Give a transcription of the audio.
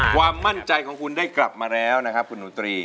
ความมั่นใจของคุณได้กลับมาแล้วนะครับคุณหนูตรี